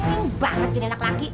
pengen banget gini anak laki